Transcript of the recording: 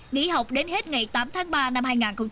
nghỉ học đến hết ngày tám tháng ba năm hai nghìn hai mươi